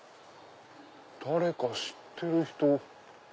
誰か知ってる人。